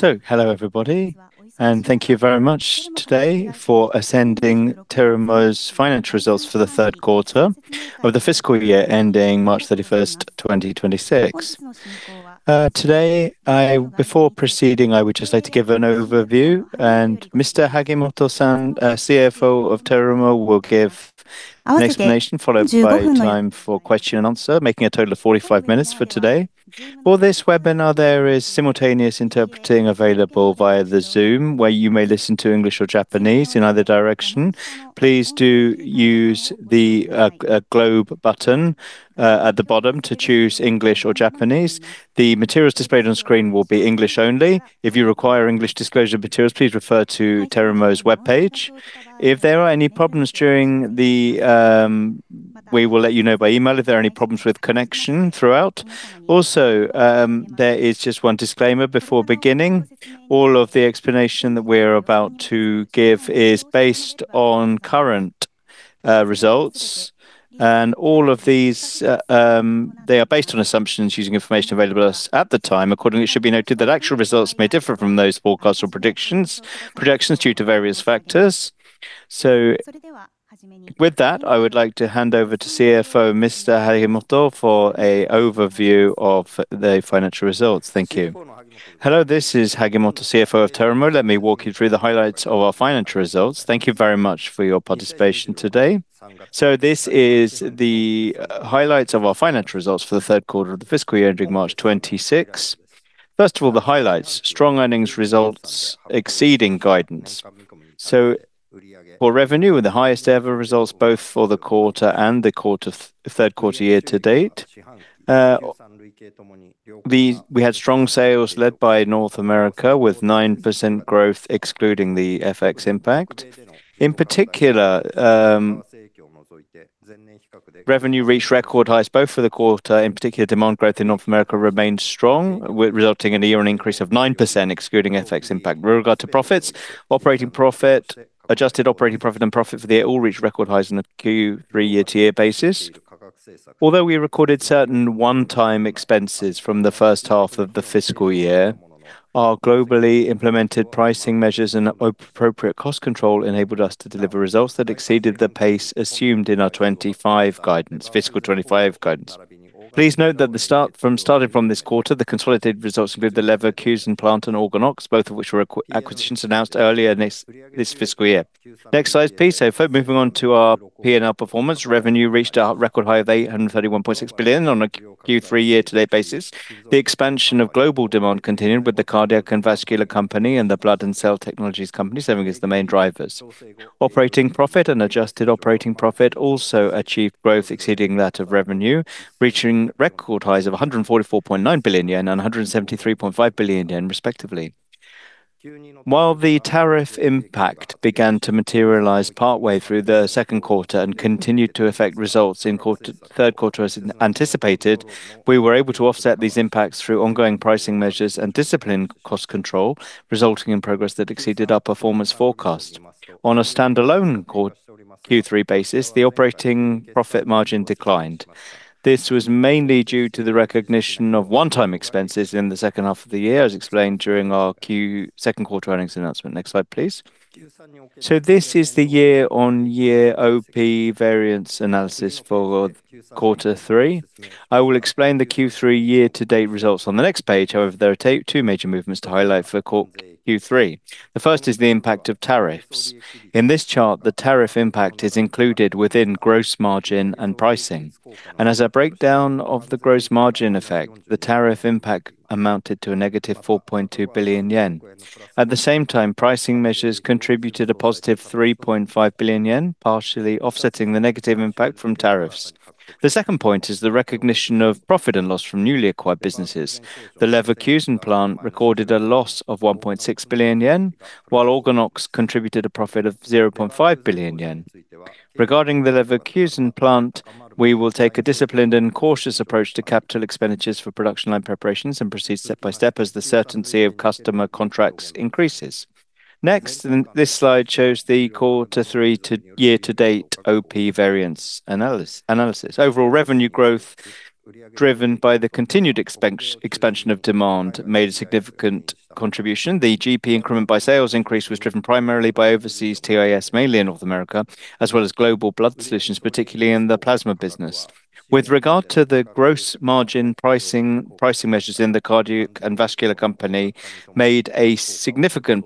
Hello, everybody, and thank you very much today for attending Terumo's financial results for the third quarter of the fiscal year, ending March 31st, 2026. Today, before proceeding, I would just like to give an overview, and Mr. Hagimoto-san, CFO of Terumo, will give an explanation, followed by time for question and answer, making a total of 45 minutes for today. For this webinar, there is simultaneous interpreting available via the Zoom, where you may listen to English or Japanese in either direction. Please do use the globe button at the bottom to choose English or Japanese. The materials displayed on screen will be English only. If you require English disclosure materials, please refer to Terumo's webpage. If there are any problems during the, we will let you know by email if there are any problems with connection throughout. Also, there is just one disclaimer before beginning. All of the explanation that we're about to give is based on current results, and all of these, they are based on assumptions using information available to us at the time. Accordingly, it should be noted that actual results may differ from those forecasts or predictions, projections due to various factors. So with that, I would like to hand over to CFO, Mr. Hagimoto, for a overview of the financial results. Thank you. Hello, this is Hagimoto, CFO of Terumo. Let me walk you through the highlights of our financial results. Thank you very much for your participation today. So this is the highlights of our financial results for the third quarter of the fiscal year ending March 2026. First of all, the highlights: strong earnings results exceeding guidance. So for revenue, with the highest ever results, both for the quarter and the third quarter year to date, we had strong sales led by North America, with 9% growth, excluding the FX impact. In particular, revenue reached record highs, both for the quarter. In particular, demand growth in North America remained strong, resulting in a year-on-year increase of 9%, excluding FX impact. With regard to profits, operating profit, adjusted operating profit and profit for the year all reached record highs on a Q3 year-to-year basis. Although we recorded certain one-time expenses from the first half of the fiscal year, our globally implemented pricing measures and appropriate cost control enabled us to deliver results that exceeded the pace assumed in our 2025 guidance, fiscal 2025 guidance. Please note that starting from this quarter, the consolidated results include the Leverkusen Plant and OrganOx, both of which were acquisitions announced earlier in this fiscal year. Next slide, please. So moving on to our P&L performance, revenue reached a record high of 831.6 billion on a Q3 year-to-date basis. The expansion of global demand continued with the Cardiac and Vascular Company and the Blood and Cell Technologies Company serving as the main drivers. Operating profit and adjusted operating profit also achieved growth exceeding that of revenue, reaching record highs of 144.9 billion yen and 173.5 billion yen, respectively. While the tariff impact began to materialize partway through the second quarter and continued to affect results in the third quarter as anticipated, we were able to offset these impacts through ongoing pricing measures and disciplined cost control, resulting in progress that exceeded our performance forecast. On a standalone quarter Q3 basis, the operating profit margin declined. This was mainly due to the recognition of one-time expenses in the second half of the year, as explained during our second quarter earnings announcement. Next slide, please. So this is the year-on-year OP variance analysis for quarter three. I will explain the Q3 year-to-date results on the next page. However, there are two major movements to highlight for Q3. The first is the impact of tariffs. In this chart, the tariff impact is included within gross margin and pricing, and as a breakdown of the gross margin effect, the tariff impact amounted to a negative 4.2 billion yen. At the same time, pricing measures contributed a positive 3.5 billion yen, partially offsetting the negative impact from tariffs. The second point is the recognition of profit and loss from newly acquired businesses. The Leverkusen plant recorded a loss of 1.6 billion yen, while OrganOx contributed a profit of 0.5 billion yen. Regarding the Leverkusen plant, we will take a disciplined and cautious approach to capital expenditures for production line preparations and proceed step by step as the certainty of customer contracts increases. Next, and this slide shows the quarter three to year-to-date OP variance analysis. Overall revenue growth, driven by the continued expansion of demand, made a significant contribution. The GP increment by sales increase was driven primarily by overseas TIS, mainly in North America, as well as global blood solutions, particularly in the plasma business. With regard to the gross margin, pricing, pricing measures in the Cardiac and Vascular Company made a significant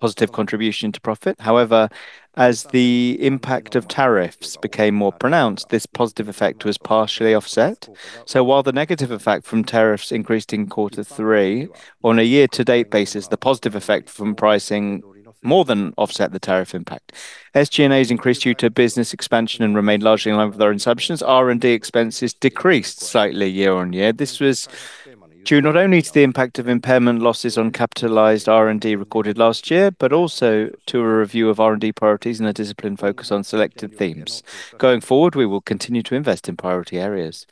positive contribution to profit. However, as the impact of tariffs became more pronounced, this positive effect was partially offset. So while the negative effect from tariffs increased in quarter three, on a year-to-date basis, the positive effect from pricing more than offset the tariff impact. SG&As increased due to business expansion and remained largely in line with our assumptions. R&D expenses decreased slightly year-on-year. This was due not only to the impact of impairment losses on capitalized R&D recorded last year, but also to a review of R&D priorities and a disciplined focus on selected themes. Going forward, we will continue to invest in priority areas.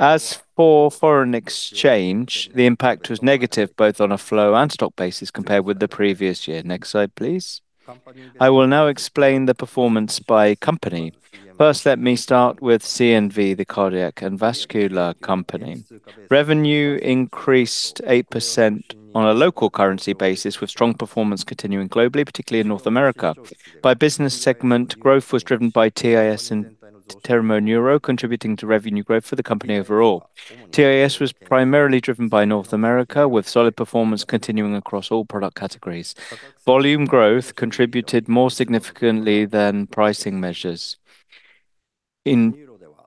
As for foreign exchange, the impact was negative, both on a flow and stock basis, compared with the previous year. Next slide, please. I will now explain the performance by company. First, let me start with C&V, the Cardiac and Vascular Company. Revenue increased 8% on a local currency basis, with strong performance continuing globally, particularly in North America. By business segment, growth was driven by TAS and Terumo Neuro contributing to revenue growth for the company overall. TIS was primarily driven by North America, with solid performance continuing across all product categories. Volume growth contributed more significantly than pricing measures. In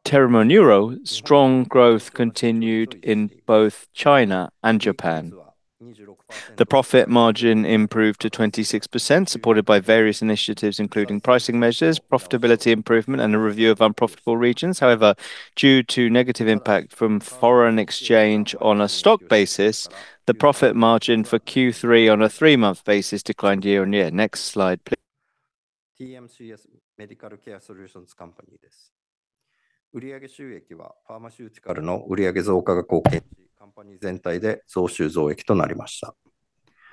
Terumo Neuro, strong growth continued in both China and Japan. The profit margin improved to 26%, supported by various initiatives, including pricing measures, profitability improvement, and a review of unprofitable regions. However, due to negative impact from foreign exchange on a stock basis, the profit margin for Q3 on a three-month basis declined year-on-year. Next slide, please. Medical Care Solutions Company.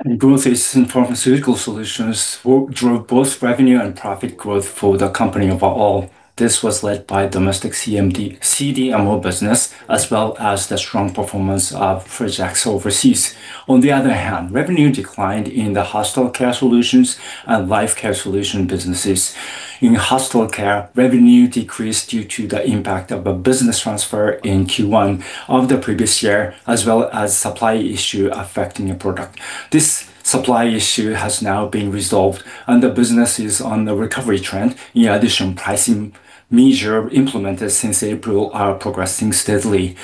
And growth is in pharmaceutical solutions, which drove both revenue and profit growth for the company overall. This was led by domestic CDMO business, as well as the strong performance of projects overseas. On the other hand, revenue declined in the Hospital Care Solutions and Life Care Solutions businesses. In Hospital Care, revenue decreased due to the impact of a business transfer in Q1 of the previous year, as well as supply issue affecting a product. This supply issue has now been resolved, and the business is on the recovery trend. In addition, pricing measure implemented since April are progressing steadily.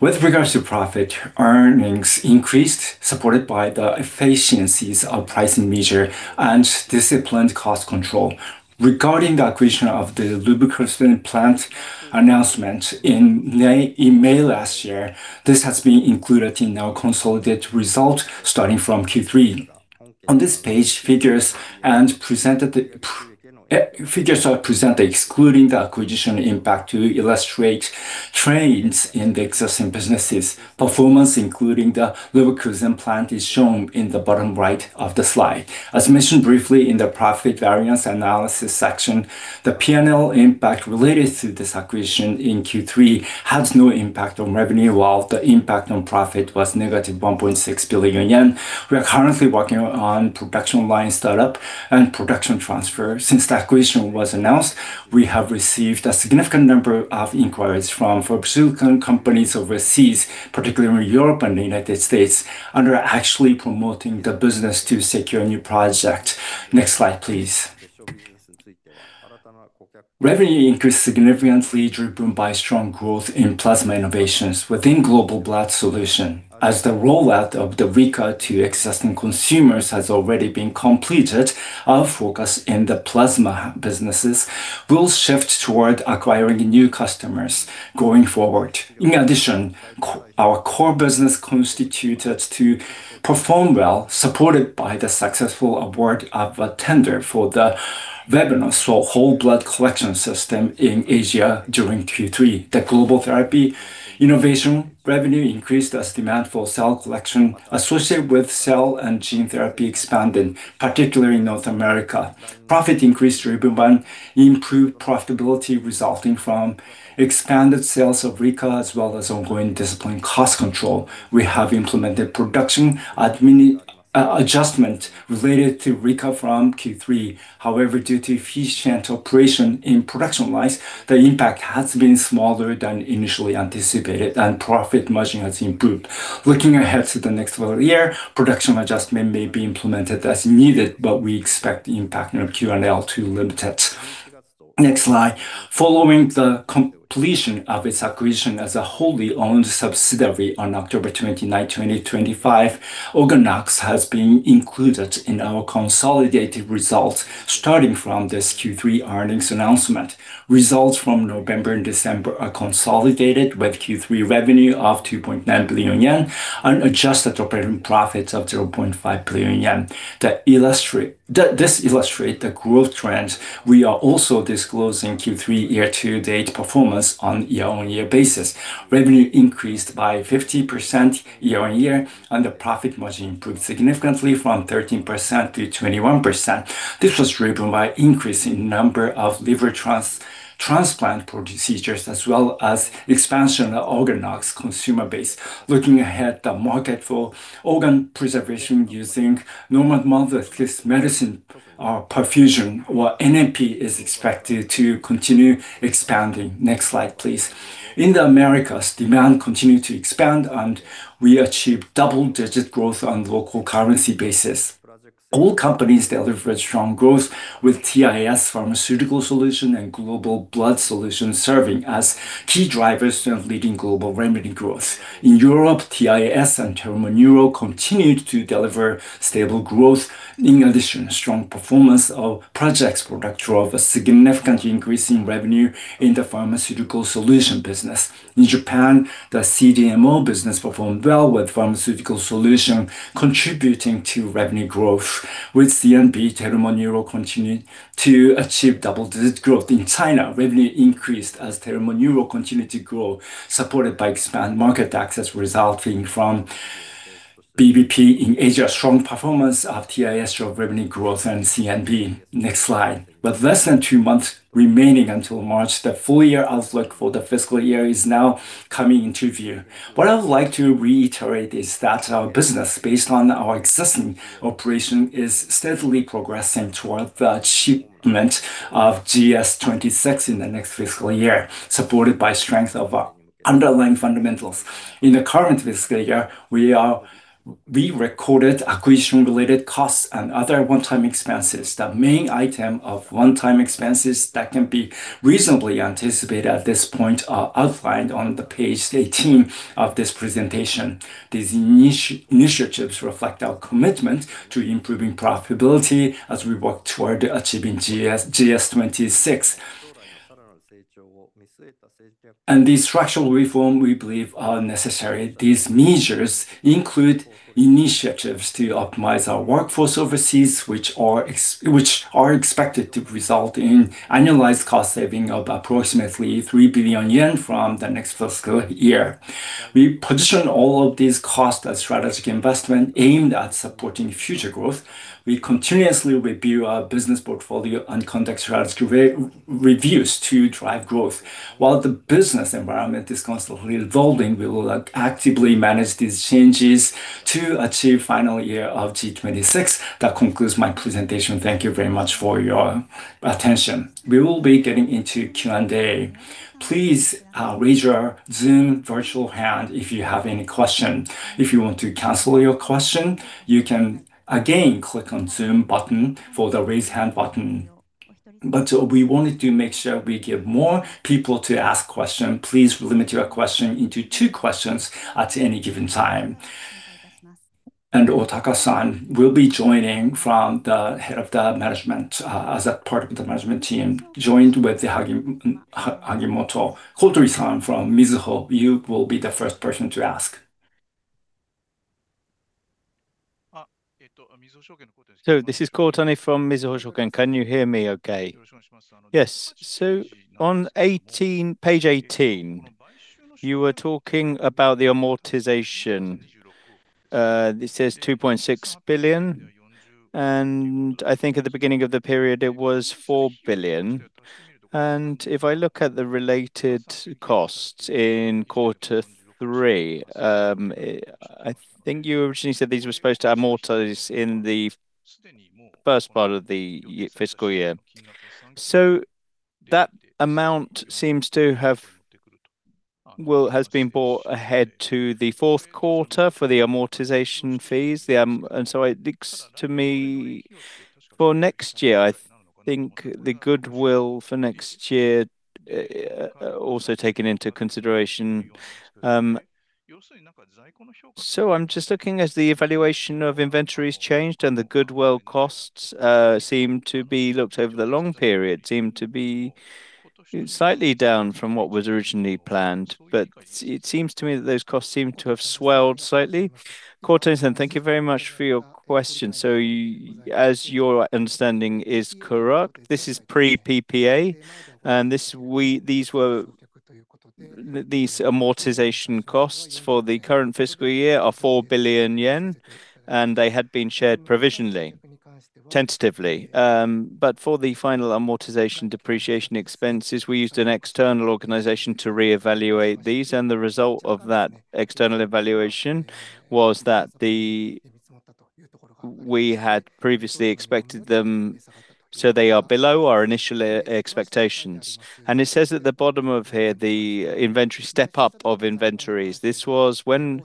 With regards to profit, earnings increased, supported by the efficiencies of pricing measure and disciplined cost control. Regarding the acquisition of the Leverkusen plant announcement in May, in May last year, this has been included in our consolidated result starting from Q3. On this page, figures are presented excluding the acquisition impact to illustrate trends in the existing businesses. Performance, including the Leverkusen plant, is shown in the bottom right of the slide. As mentioned briefly in the profit variance analysis section, the P&L impact related to this acquisition in Q3 had no impact on revenue, while the impact on profit was -1.6 billion yen. We are currently working on production line startup and production transfer. Since the acquisition was announced, we have received a significant number of inquiries from pharmaceutical companies overseas, particularly in Europe and the United States, and are actually promoting the business to secure a new project. Next slide, please. Revenue increased significantly, driven by strong growth in plasma innovations within Global Blood Solutions. As the rollout of the Rika to existing consumers has already been completed, our focus in the plasma businesses will shift toward acquiring new customers going forward. In addition, our core business continued to perform well, supported by the successful award of a tender for the whole blood collection system in Asia during Q3. The global therapy innovation revenue increased as demand for cell collection associated with cell and gene therapy expanded, particularly in North America. Profit increased driven by improved profitability, resulting from expanded sales of Rika, as well as ongoing disciplined cost control. We have implemented production adjustment related to Rika from Q3. However, due to efficient operation in production lines, the impact has been smaller than initially anticipated, and profit margin has improved. Looking ahead to the next fiscal year, production adjustment may be implemented as needed, but we expect the impact on P&L to limit it. Next slide. Following the completion of its acquisition as a wholly owned subsidiary on October 29th, 2025, OrganOx has been included in our consolidated results starting from this Q3 earnings announcement. Results from November and December are consolidated, with Q3 revenue of 2.9 billion yen and adjusted operating profits of 0.5 billion yen. To illustrate—this illustrates the growth trends, we are also disclosing Q3 year-to-date performance on year-on-year basis. Revenue increased by 50% year-on-year, and the profit margin improved significantly from 13%-21%. This was driven by increase in number of liver transplant procedures, as well as expansion of OrganOx customer base. Looking ahead, the market for organ preservation using normothermic machine perfusion, or NMP, is expected to continue expanding. Next slide, please. In the Americas, demand continued to expand, and we achieved double-digit growth on local currency basis. All companies delivered strong growth with TIS Pharmaceutical Solutions and Global Blood Solutions serving as key drivers and leading global revenue growth. In Europe, TIS and Terumo Neuro continued to deliver stable growth. In addition, strong performance of projects product drove a significant increase in revenue in the pharmaceutical solution business. In Japan, the CDMO business performed well, with pharmaceutical solution contributing to revenue growth, with C&V Terumo Neuro continuing to achieve double-digit growth. In China, revenue increased as Terumo Neuro continued to grow, supported by expanded market access resulting from VBP in Asia. Strong performance of TIS drove revenue growth and C&V. Next slide. With less than two months remaining until March, the full year outlook for the fiscal year is now coming into view. What I would like to reiterate is that our business, based on our existing operation, is steadily progressing toward the achievement of GS 2026 in the next fiscal year, supported by strength of our underlying fundamentals. In the current fiscal year, we are, we recorded acquisition-related costs and other one-time expenses. The main item of one-time expenses that can be reasonably anticipated at this point are outlined on page 18 of this presentation. These initiatives reflect our commitment to improving profitability as we work toward achieving GS 2026. These structural reform, we believe, are necessary. These measures include initiatives to optimize our workforce overseas, which are expected to result in annualized cost saving of approximately 3 billion yen from the next fiscal year. We position all of these costs as strategic investment aimed at supporting future growth. We continuously review our business portfolio and conduct strategy reviews to drive growth. While the business environment is constantly evolving, we will actively manage these changes to achieve final year of GS 2026. That concludes my presentation. Thank you very much for your attention. We will be getting into Q&A. Please raise your Zoom virtual hand if you have any question. If you want to cancel your question, you can again click on Zoom button for the Raise Hand button. But we wanted to make sure we give more people to ask question. Please limit your question into two questions at any given time. And Otaka-san will be joining from the head of the management, as a part of the management team, joined with Hagimoto. Kotani-san from Mizuho, you will be the first person to ask. So this is Kotani from Mizuho Securities. Can you hear me okay? Yes. So on 18, page 18, you were talking about the amortization. It says 2.6 billion, and I think at the beginning of the period, it was 4 billion. And if I look at the related costs in quarter three, I think you originally said these were supposed to amortize in the first part of the fiscal year. So that amount seems to have well, has been brought ahead to the fourth quarter for the amortization fees, and so it looks to me for next year, I think the goodwill for next year also taken into consideration. So, I'm just looking at the valuation of inventory's changed, and the goodwill costs seem to be lower over the long period, seem to be slightly down from what was originally planned. But it seems to me that those costs seem to have swelled slightly. Kotani-san, thank you very much for your question. So as your understanding is correct, this is pre-PPA, and this, these were, these amortization costs for the current fiscal year are 4 billion yen, and they had been shared provisionally, tentatively. But for the final amortization depreciation expenses, we used an external organization to reevaluate these, and the result of that external evaluation was that the we had previously expected them, so they are below our initial expectations. And it says at the bottom of here, the inventory, step up of inventories. This was when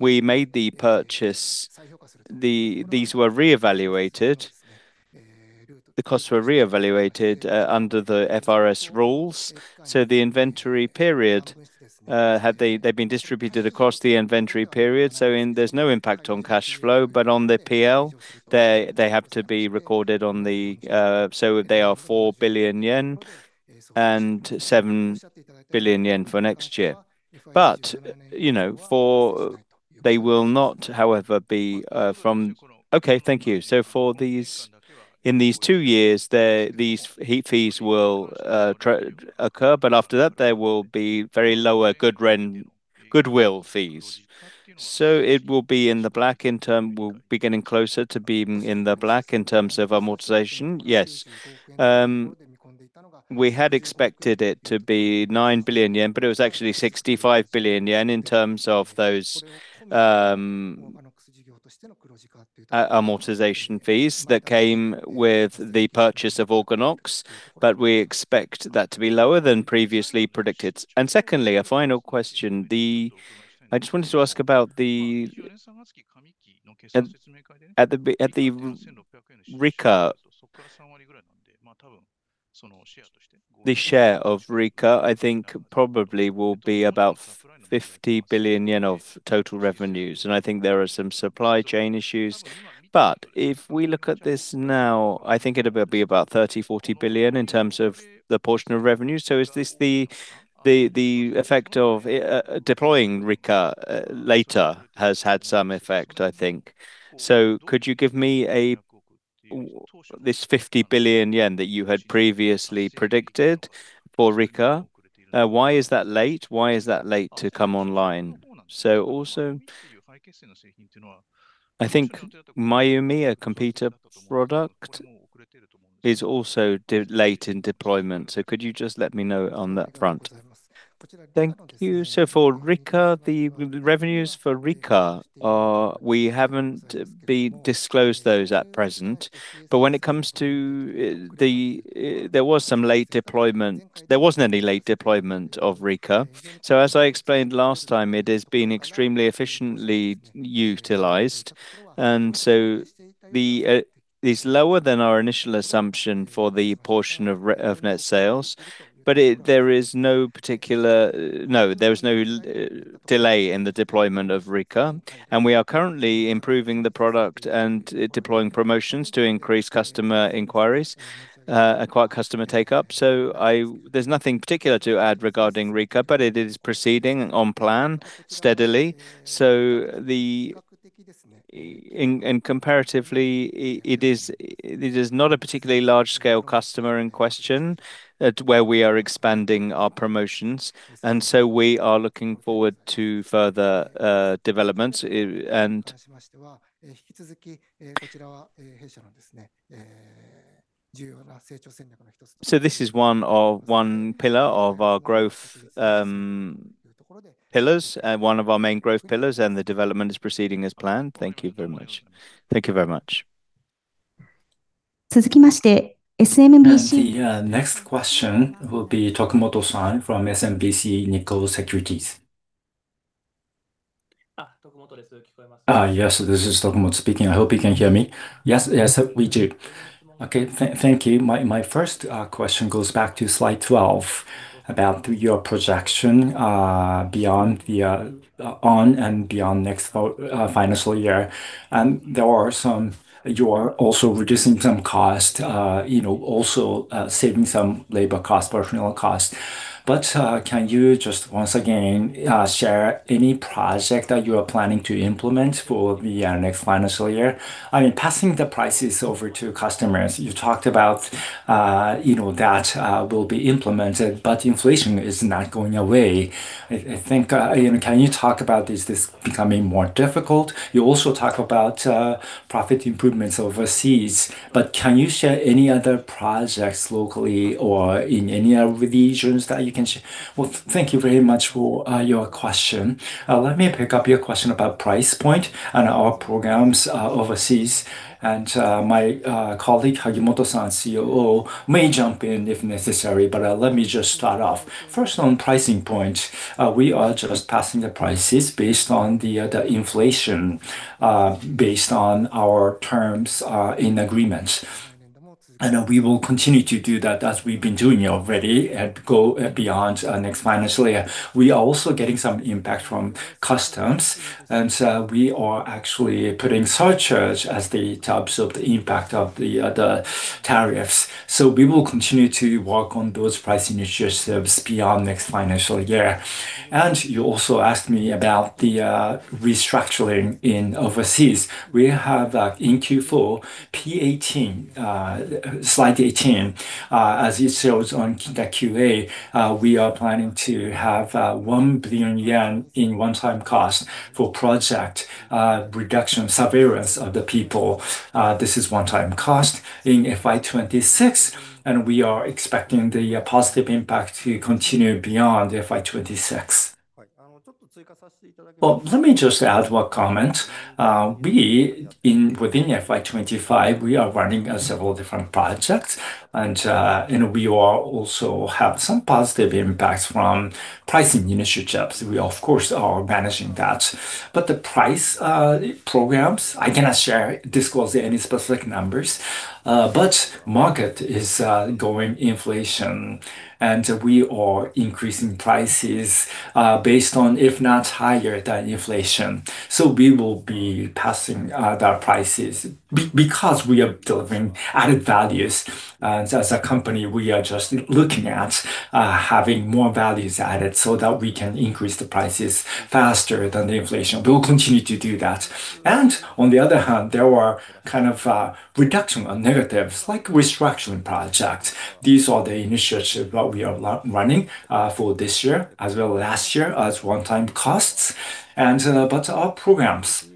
we made the purchase, these were reevaluated. The costs were reevaluated under the IFRS rules. So the inventory period, they've been distributed across the inventory period, so there's no impact on cash flow, but on the PL, they, they have to be recorded on the... So they are 4 billion yen and 7 billion yen for next year. But, you know, they will not, however, be from... Okay, thank you. So for these, in these two years, these fees will occur, but after that, there will be very lower goodwill fees. So it will be in the black in term, will be getting closer to being in the black in terms of amortization? Yes. We had expected it to be 9 billion yen, but it was actually 65 billion yen in terms of those amortization fees that came with the purchase of OrganOx, but we expect that to be lower than previously predicted. And secondly, a final question. I just wanted to ask about the Rika. The share of Rika, I think, probably will be about 50 billion yen of total revenues, and I think there are some supply chain issues. But if we look at this now, I think it'll be about 30 billion-40 billion in terms of the portion of revenue. So is this the effect of deploying Rika later has had some effect, I think. So could you give me this 50 billion yen that you had previously predicted for Rika, why is that late? Why is that late to come online? Also, I think Haemonetics, a competitor product is also delayed in deployment. So could you just let me know on that front? Thank you. So for Rika, the revenues for Rika are, we haven't disclosed those at present. But when it comes to the, there was some late deployment. There wasn't any late deployment of Rika. So as I explained last time, it has been extremely efficiently utilized, and so it's lower than our initial assumption for the portion of Rika of net sales, but there is no particular... No, there is no delay in the deployment of Rika. And we are currently improving the product and deploying promotions to increase customer inquiries, acquire customer take-up. So there's nothing particular to add regarding Rika, but it is proceeding on plan steadily. So the... Comparatively, it is not a particularly large-scale customer in question at where we are expanding our promotions, and so we are looking forward to further developments, and so this is one pillar of our growth pillars, one of our main growth pillars, and the development is proceeding as planned. Thank you very much. Thank you very much. The next question will be Tokumoto-san from SMBC Nikko Securities. Yes, this is Tokumoto speaking. I hope you can hear me. Yes, yes, we do. Okay. Thank you. My first question goes back to slide 12, about your projection beyond the on and beyond next financial year. And there are some... You are also reducing some cost, you know, also saving some labor cost, personnel cost. But can you just once again share any project that you are planning to implement for the next financial year? I mean, passing the prices over to customers, you talked about, you know, that will be implemented, but inflation is not going away. I think, you know, can you talk about is this becoming more difficult? You also talk about profit improvements overseas, but can you share any other projects locally or in any other regions that you can share? Well, thank you very much for your question. Let me pick up your question about price point and our programs overseas. My colleague, Hagimoto-san, COO, may jump in if necessary, but let me just start off. First, on pricing point, we are just passing the prices based on the inflation, based on our terms in agreements. We will continue to do that as we've been doing already and go beyond next financial year. We are also getting some impact from customs, and so we are actually putting surcharges as the types of the impact of the tariffs. So we will continue to work on those pricing initiatives beyond next financial year. You also asked me about the restructuring in overseas. We have in Q4, page 18, slide 18, as it shows on the QA, we are planning to have 1 billion yen in one-time cost for project reduction severance of the people. This is one-time cost in FY 2026, and we are expecting the positive impact to continue beyond FY 2026. Well, let me just add one comment. We, within FY 2025, we are running several different projects, and you know, we are also have some positive impacts from pricing initiatives. We, of course, are managing that. But the price programs, I cannot share, disclose any specific numbers, but market is going inflation, and we are increasing prices based on if not higher than inflation. So we will be passing the prices because we are delivering added values. As a company, we are just looking at having more values added so that we can increase the prices faster than the inflation. We will continue to do that. And on the other hand, there were kind of reduction on negatives, like restructuring projects. These are the initiatives that we are running for this year, as well as last year, as one-time costs. But our programs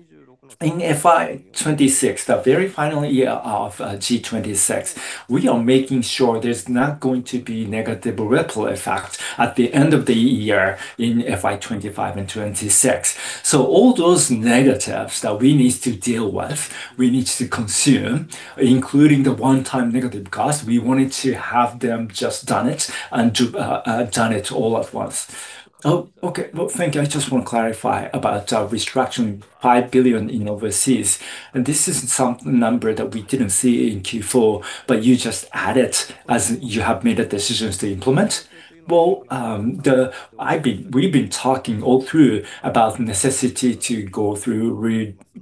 in FY 2026, the very final year of GS 2026, we are making sure there's not going to be negative ripple effects at the end of the year in FY 2025 and FY 2026. So all those negatives that we need to deal with, we need to consume, including the one-time negative cost, we wanted to have them just done it all at once. Oh, okay. Well, thank you. I just want to clarify about restructuring 5 billion in overseas, and this is some number that we didn't see in Q4, but you just add it as you have made the decisions to implement? Well, the... We've been talking all through about the necessity to go through restructuring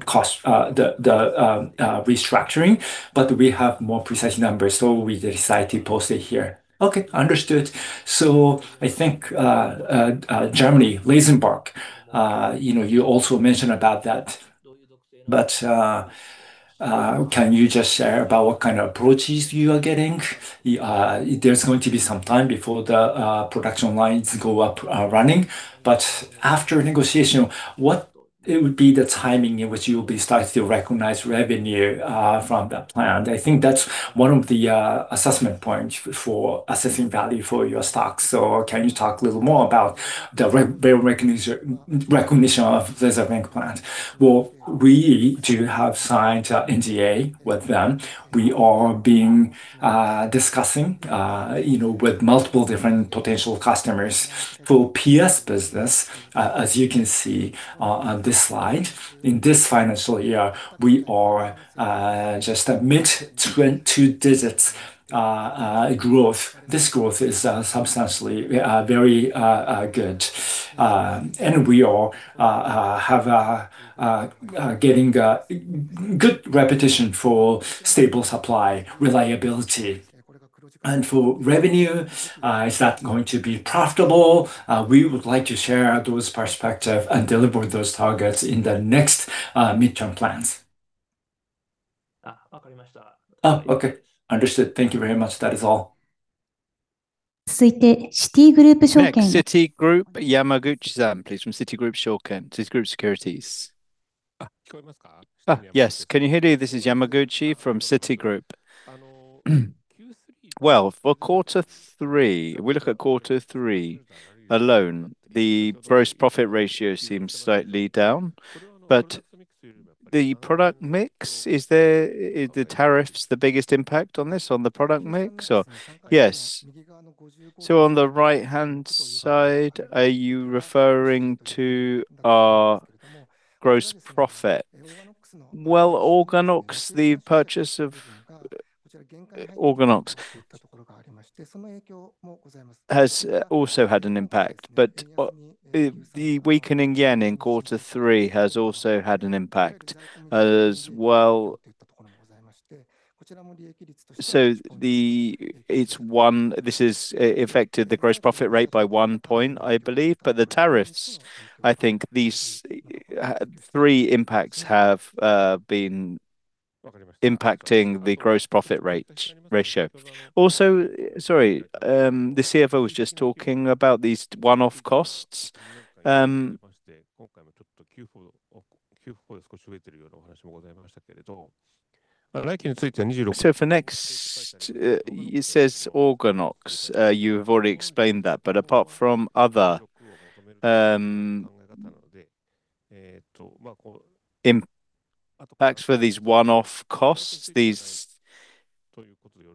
cost, but we have more precise numbers, so we decided to post it here. Okay, understood. So I think, Germany, Leverkusen, you know, you also mentioned about that, but, can you just share about what kind of approaches you are getting? There's going to be some time before the production lines go up running, but after negotiation, it would be the timing in which you will be starting to recognize revenue from that plant. I think that's one of the assessment points for assessing value for your stock. So can you talk a little more about the recognition of the Leverkusen plant? Well, we do have signed a NDA with them. We are discussing, you know, with multiple different potential customers for PS business. As you can see on this slide, in this financial year, we are just a mid-20s two-digit growth. This growth is substantially very good. We are getting a good reputation for stable supply, reliability. For revenue, is that going to be profitable? We would like to share those perspective and deliver those targets in the next midterm plans. Ah, okay. Understood. Thank you very much. That is all. Next, Citigroup, Yamaguchi-san, please, from Citigroup Shoken, Citigroup Securities. Ah, yes. Can you hear me? This is Yamaguchi from Citigroup. Well, for quarter three, we look at quarter three alone, the gross profit ratio seems slightly down, but the product mix, are the tariffs the biggest impact on this, on the product mix, or? Yes. So on the right-hand side, are you referring to our gross profit? Well, OrganOx, the purchase of OrganOx has also had an impact, but the weakening yen in quarter three has also had an impact as well. So it's 1. This has affected the gross profit rate by 1 point, I believe. But the tariffs, I think these 3 impacts have been impacting the gross profit rate, ratio. Also, sorry, the CFO was just talking about these one-off costs. So for next, it says OrganOx. You've already explained that, but apart from other impacts for these one-off costs, these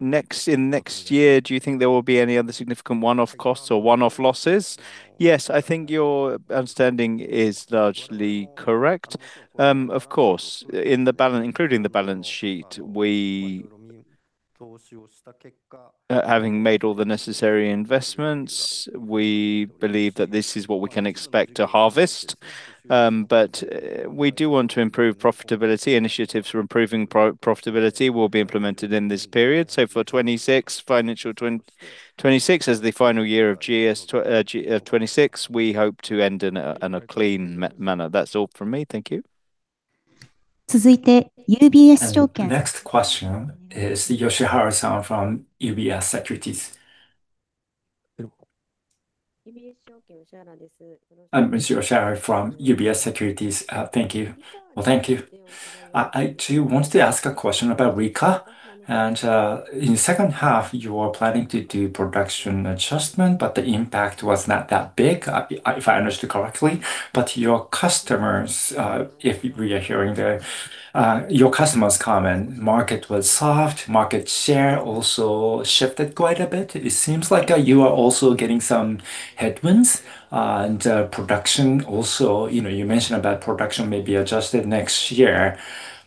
next in next year, do you think there will be any other significant one-off costs or one-off losses? Yes, I think your understanding is largely correct. Of course, in the balance sheet, including the balance sheet, we, having made all the necessary investments, we believe that this is what we can expect to harvest. But we do want to improve profitability. Initiatives for improving profitability will be implemented in this period. So for 2026, financial 2026 as the final year of GS 2026, we hope to end in a clean manner. That's all from me. Thank you. The next question is Yoshihara-san from UBS Securities. I'm Yoshihara from UBS Securities. Thank you. Well, thank you. I too wanted to ask a question about Rika. And in the second half, you were planning to do production adjustment, but the impact was not that big, if I understood correctly. But your customers, if we are hearing their, your customers' comment, market was soft, market share also shifted quite a bit. It seems like you are also getting some headwinds, and production also, you know, you mentioned about production may be adjusted next year.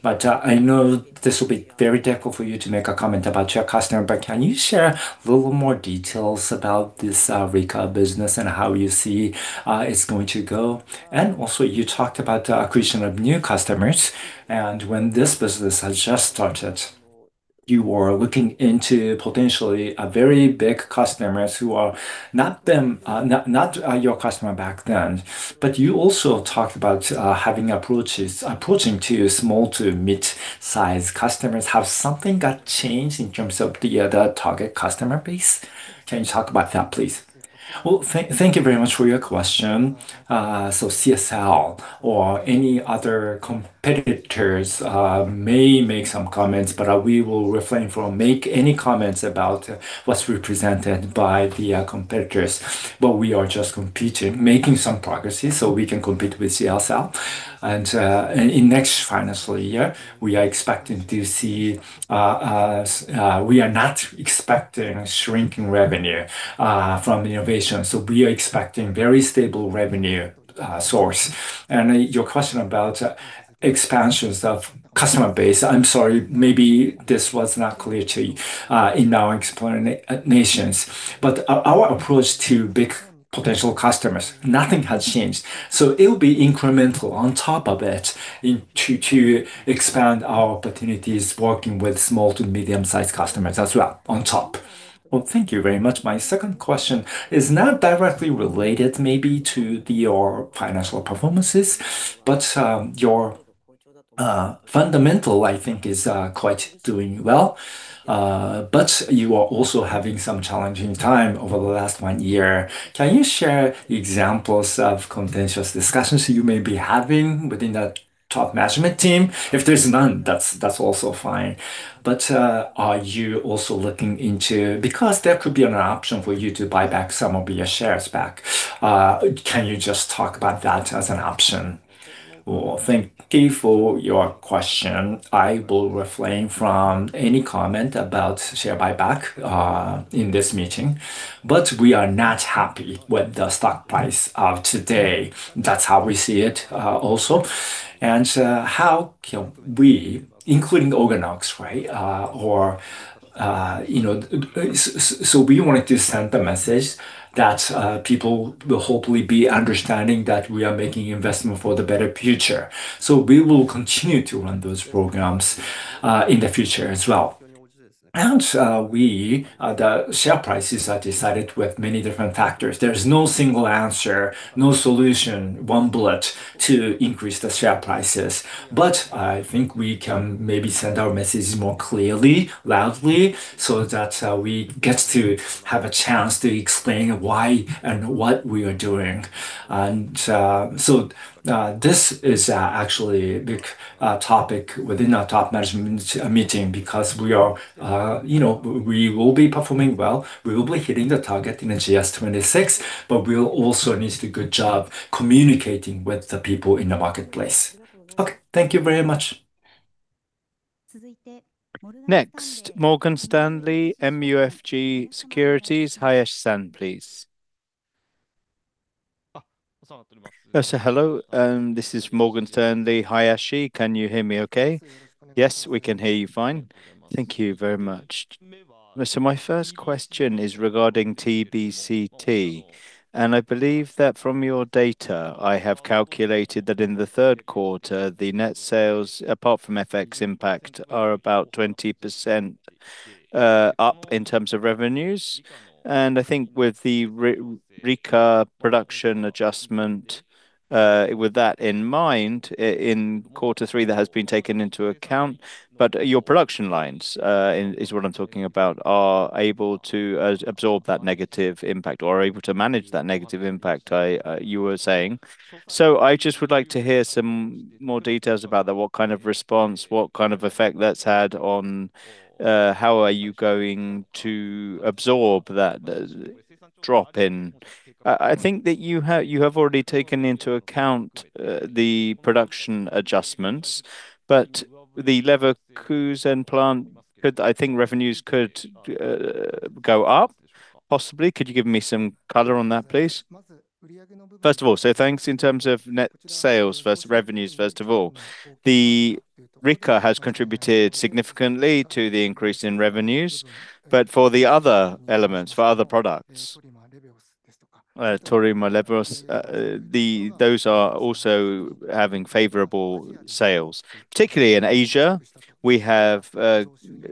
But I know this will be very difficult for you to make a comment about your customer, but can you share a little more details about this Rika business and how you see it's going to go? Also, you talked about the acquisition of new customers, and when this business has just started, you were looking into potentially a very big customers who are not them, not your customer back then. But you also talked about having approaches—approaching to small to mid-size customers. Have something got changed in terms of the target customer base? Can you talk about that, please? Well, thank you very much for your question. So CSL or any other competitors may make some comments, but we will refrain from make any comments about what's represented by the competitors. But we are just competing, making some progress so we can compete with CSL. And in next financial year, we are expecting to see we are not expecting a shrinking revenue from innovation. So we are expecting very stable revenue source. And your question about expansions of customer base, I'm sorry, maybe this was not clear to in our explanations. But our approach to big potential customers, nothing has changed. So it will be incremental on top of it, in to expand our opportunities working with small to medium-sized customers as well, on top. Well, thank you very much. My second question is not directly related maybe to your financial performances, but your fundamental, I think, is quite doing well. But you are also having some challenging time over the last one year. Can you share examples of contentious discussions you may be having within the top management team? If there's none, that's, that's also fine, but are you also looking into because there could be an option for you to buy back some of your shares back. Can you just talk about that as an option? Well, thank you for your question. I will refrain from any comment about share buyback in this meeting, but we are not happy with the stock price of today. That's how we see it, also. And how can we, including OrganOx, right? Or, you know... So we wanted to send the message that people will hopefully be understanding that we are making investment for the better future. So we will continue to run those programs in the future as well. And we, the share prices are decided with many different factors. There's no single answer, no solution, one bullet to increase the share prices. But I think we can maybe send our message more clearly, loudly, so that we get to have a chance to explain why and what we are doing. So, this is actually a big topic within our top management meeting because we are, you know, we will be performing well, we will be hitting the target in the GS 2026, but we'll also need to do a good job communicating with the people in the marketplace. Okay, thank you very much. Next, Morgan Stanley MUFG Securities, Hayashi-san, please. So hello, this is Morgan Stanley, Hayashi. Can you hear me okay? Yes, we can hear you fine. Thank you very much. So my first question is regarding TBCT, and I believe that from your data, I have calculated that in the third quarter, the net sales, apart from FX impact, are about 20% up in terms of revenues. And I think with the Rika production adjustment, with that in mind, in quarter three, that has been taken into account. But your production lines, is what I'm talking about, are able to absorb that negative impact or are able to manage that negative impact, you were saying. So I just would like to hear some more details about that. What kind of response, what kind of effect that's had on, how are you going to absorb that drop in? I think that you have already taken into account the production adjustments, but the Leverkusen plant could—I think revenues could go up, possibly. Could you give me some color on that, please? First of all, so thanks in terms of net sales versus revenues, first of all. The Rika has contributed significantly to the increase in revenues, but for the other elements, for other products, Toraymyxin, those are also having favorable sales. Particularly in Asia, we have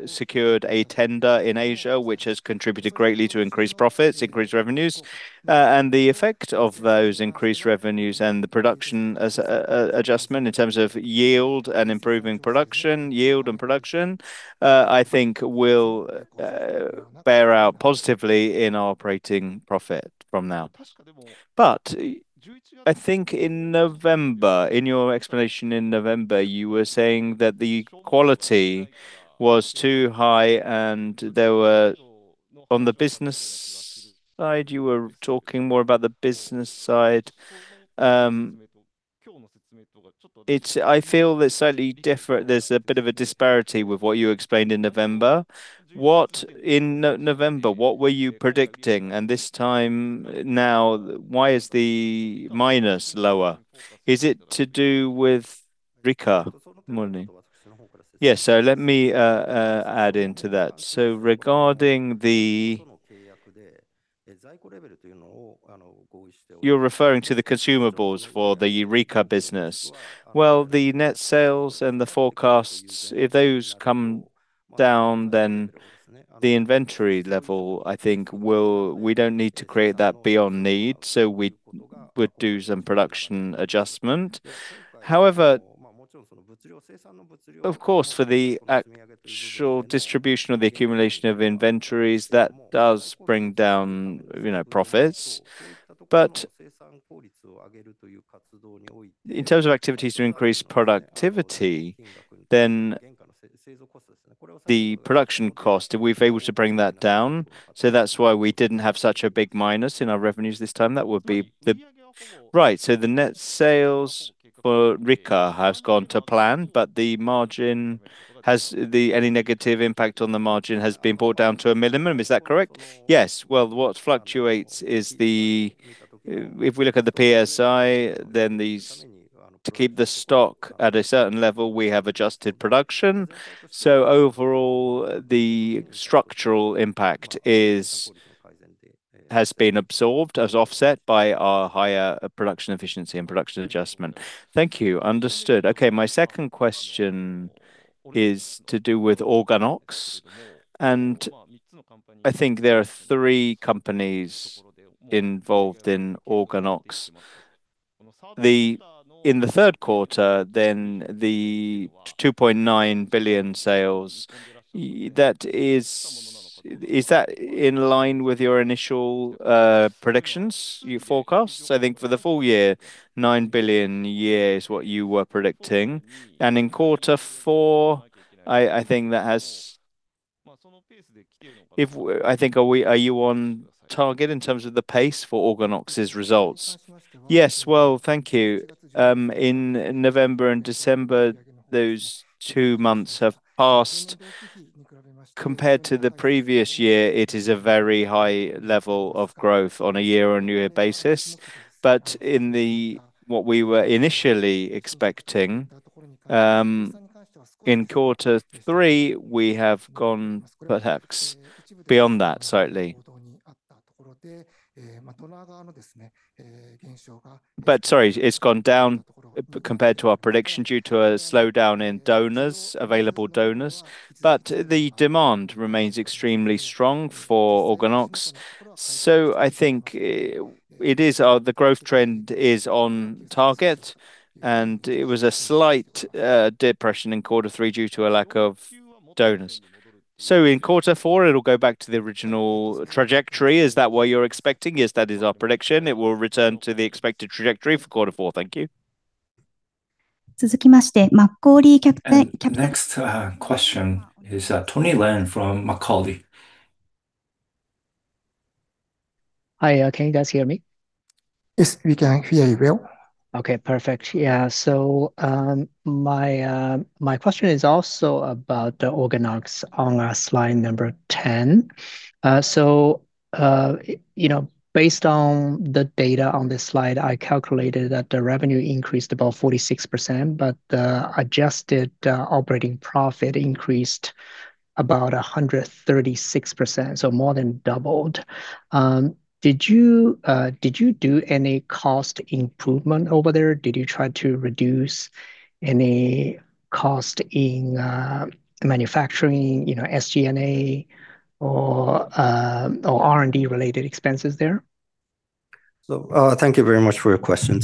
secured a tender in Asia, which has contributed greatly to increased profits, increased revenues. And the effect of those increased revenues and the production as adjustment in terms of yield and improving production, yield and production, I think will bear out positively in our operating profit from now. But I think in November, in your explanation in November, you were saying that the quality was too high, and there were, on the business side, you were talking more about the business side. I feel it's slightly different. There's a bit of a disparity with what you explained in November. What in November, what were you predicting? And this time, now, why is the minus lower? Is it to do with Rika? Good morning. Yes, so let me add into that. So regarding the, you're referring to the consumables for the Rika business. Well, the net sales and the forecasts, if those come down, then the inventory level, I think, will—we don't need to create that beyond need, so we would do some production adjustment. However, of course, for the actual distribution of the accumulation of inventories, that does bring down, you know, profits. But in terms of activities to increase productivity, then the production cost, if we're able to bring that down, so that's why we didn't have such a big minus in our revenues this time. That would be the- Right. So the net sales for Rika has gone to plan, but the margin, has any negative impact on the margin has been brought down to a minimum. Is that correct? Yes. Well, what fluctuates is the, if we look at the PSI, then these, to keep the stock at a certain level, we have adjusted production. So overall, the structural impact is, has been absorbed as offset by our higher production efficiency and production adjustment. Thank you. Understood. Okay, my second question is to do with OrganOx, and I think there are three companies involved in OrganOx. In the third quarter, then the 2.9 billion sales, that is, is that in line with your initial predictions, your forecasts? I think for the full year, 9 billion a year is what you were predicting, and in quarter four, I think that has—I think, are you on target in terms of the pace for OrganOx's results? Yes, well, thank you. In November and December, those two months have passed. Compared to the previous year, it is a very high level of growth on a year-on-year basis. But in the, what we were initially expecting, in quarter three, we have gone perhaps beyond that slightly. But sorry, it's gone down compared to our prediction due to a slowdown in donors, available donors, but the demand remains extremely strong for OrganOx. So I think, it is, the growth trend is on target, and it was a slight depression in quarter three due to a lack of donors. In quarter four, it'll go back to the original trajectory. Is that what you're expecting? Yes, that is our prediction. It will return to the expected trajectory for quarter four. Thank you. Next, question is Tony Ren from Macquarie. Hi, can you guys hear me? Yes, we can hear you well. Okay, perfect. Yeah, so, my question is also about the OrganOx on slide number 10. So, you know, based on the data on this slide, I calculated that the revenue increased about 46%, but the adjusted operating profit increased about 136%, so more than doubled. Did you do any cost improvement over there? Did you try to reduce any cost in manufacturing, you know, SG&A or or R&D related expenses there? So, thank you very much for your question.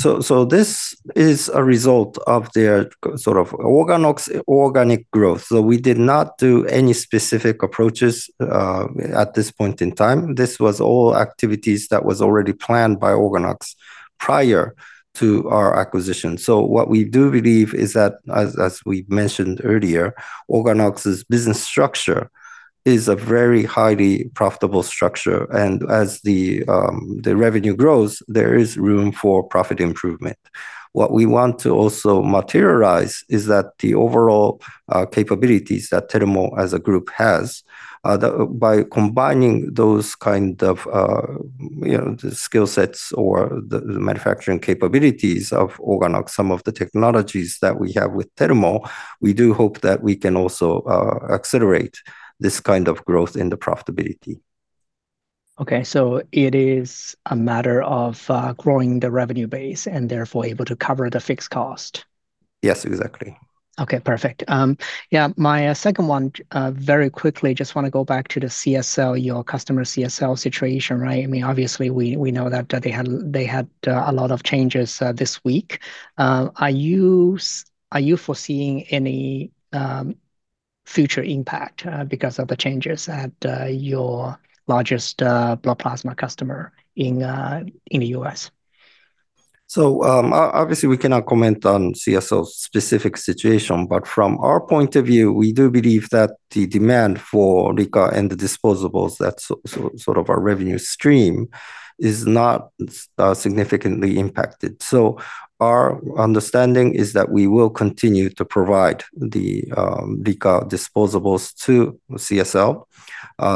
This is a result of the OrganOx organic growth. We did not do any specific approaches at this point in time. This was all activities that was already planned by OrganOx prior to our acquisition. What we do believe is that, as we mentioned earlier, OrganOx's business structure is a very highly profitable structure, and as the revenue grows, there is room for profit improvement. What we want to also materialize is that the overall capabilities that Terumo as a group has. By combining those kind of, you know, the skill sets or the manufacturing capabilities of OrganOx, some of the technologies that we have with Terumo, we do hope that we can also accelerate this kind of growth in the profitability. Okay, so it is a matter of growing the revenue base and therefore able to cover the fixed cost? Yes, exactly. Okay, perfect. Yeah, my second one, very quickly, just wanna go back to the CSL, your customer CSL situation, right? I mean, obviously, we know that they had a lot of changes this week. Are you foreseeing any future impact because of the changes at your largest blood plasma customer in the U.S.? Obviously, we cannot comment on CSL's specific situation, but from our point of view, we do believe that the demand for Rika and the disposables, that's sort of our revenue stream, is not significantly impacted. Our understanding is that we will continue to provide the Rika disposables to CSL.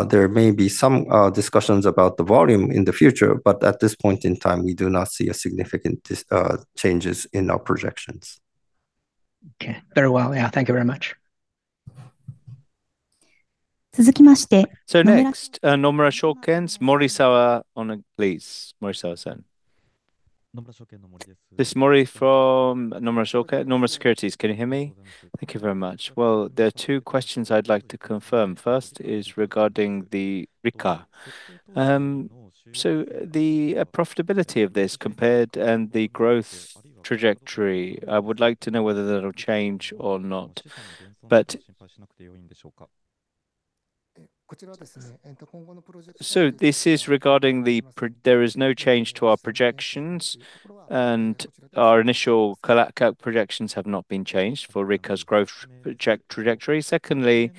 There may be some discussions about the volume in the future, but at this point in time, we do not see significant changes in our projections. Okay. Very well. Yeah, thank you very much. So next, Nomura Securities, Mori on the line, please. Mori-san. This is Mori from Nomura Securities. Can you hear me? Thank you very much. Well, there are two questions I'd like to confirm. First is regarding the Rika. So the profitability of this compared, and the growth trajectory, I would like to know whether that'll change or not, but... This is regarding the projections. There is no change to our projections, and our initial projections have not been changed for Rika's growth trajectory. Secondly,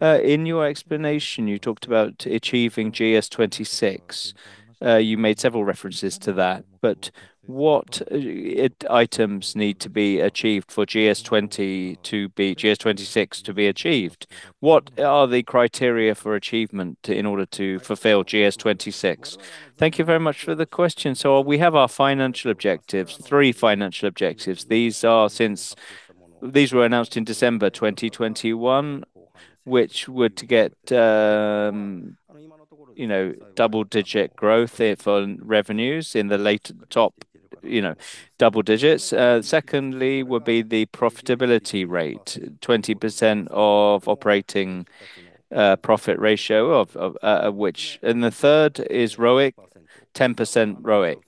in your explanation, you talked about achieving GS 2026. You made several references to that, but what items need to be achieved for GS 2026 to be achieved? What are the criteria for achievement in order to fulfill GS 2026? Thank you very much for the question. So we have our financial objectives, three financial objectives. These were announced in December 2021, which were to get, you know, double-digit growth in revenues in the late teens, you know, double digits. Secondly, would be the profitability rate, 20% operating profit ratio, which. And the third is ROIC, 10% ROIC.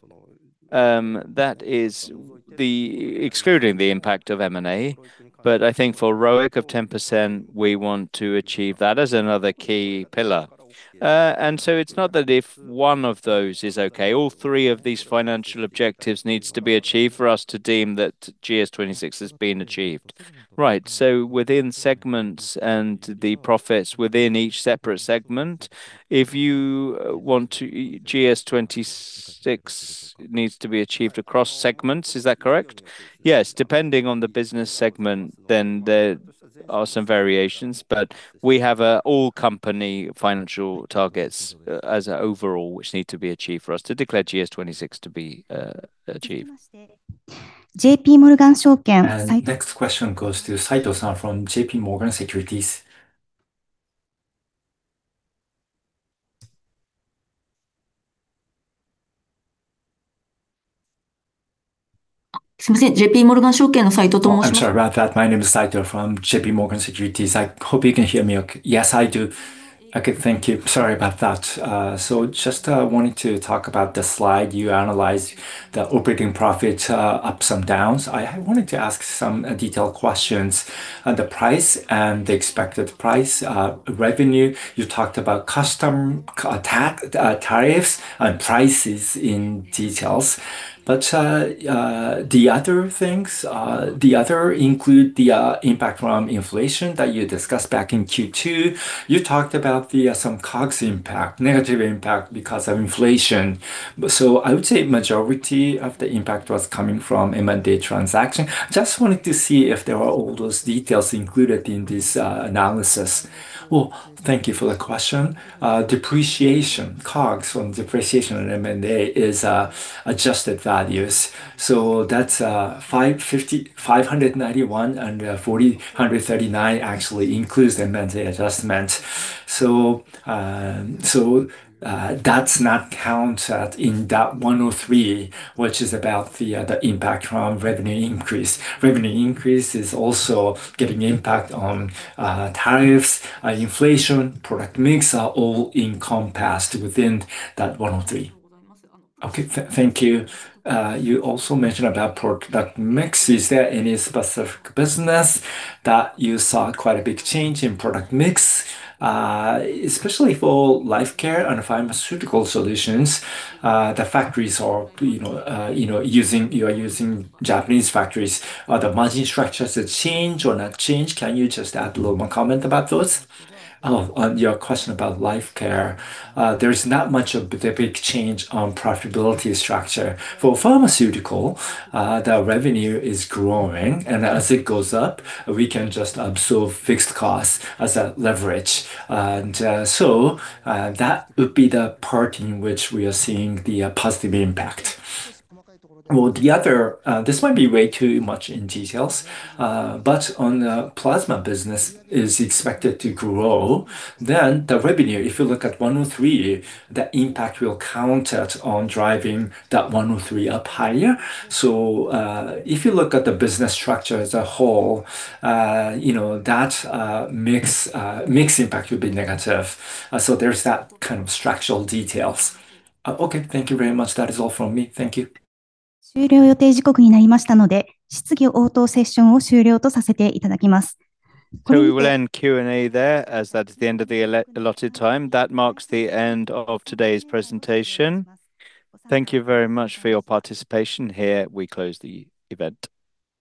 That is the, excluding the impact of M&A, but I think for ROIC of 10%, we want to achieve that as another key pillar. And so it's not that if one of those is okay, all three of these financial objectives needs to be achieved for us to deem that GS 2026 has been achieved. Right, so within segments and the profits within each separate segment, if you want to, GS 2026 needs to be achieved across segments, is that correct? Yes, depending on the business segment, then there are some variations, but we have a all-company financial targets as an overall, which need to be achieved for us to declare GS 2026 to be, achieved. Next question goes to Saito-san from JPMorgan Securities. Oh, I'm sorry about that. My name is Saito from JPMorgan Securities. I hope you can hear me okay. Yes, I do. Okay, thank you. Sorry about that. So just wanting to talk about the slide you analyzed, the operating profit, ups and downs. I wanted to ask some detailed questions on the price and the expected price, revenue. You talked about customs tariffs and prices in details, but the other things, the other include the impact from inflation that you discussed back in Q2. You talked about some COGS impact, negative impact because of inflation. So I would say majority of the impact was coming from M&A transaction. Just wanted to see if there are all those details included in this analysis. Well, thank you for the question. Depreciation, COGS from depreciation on M&A is adjusted values. So that's 5,591, and 4,139 actually includes the M&A adjustment. So that's not counted in that 103, which is about the impact from revenue increase. Revenue increase is also getting impact on tariffs, inflation, product mix, are all encompassed within that 103. Okay. Thank you. You also mentioned about product mix. Is there any specific business that you saw quite a big change in product mix? Especially for life care and pharmaceutical solutions, the factories are, you know, using Japanese factories. Are the margin structures a change or not change? Can you just add a little more comment about those? Oh, on your question about life care, there's not much of a big change on profitability structure. For pharmaceutical, the revenue is growing, and as it goes up, we can just absorb fixed costs as a leverage. And, so, that would be the part in which we are seeing the, positive impact. Well, the other... this might be way too much in details, but on the plasma business is expected to grow, then the revenue, if you look at 103, the impact will count it on driving that 103 up higher. So, if you look at the business structure as a whole, you know, that, mix, mix impact will be negative. So there's that kind of structural details. Okay. Thank you very much. That is all from me. Thank you. We will end Q&A there, as that is the end of the allotted time. That marks the end of today's presentation. Thank you very much for your participation here. We close the event.